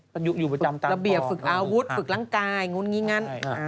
รับเบียบฝึกอาวุธฝึกรังกายงูงี้งั้น